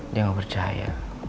dia gak percaya